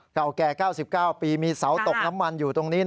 เก่าแก่๙๙ปีมีเสาตกน้ำมันอยู่ตรงนี้